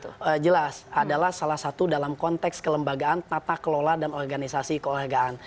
pembangunan persepak bola nasional adalah salah satu dalam konteks kelembagaan tata kelola dan organisasi keolahragaan